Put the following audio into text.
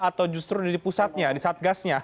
atau justru di pusatnya di sabgasnya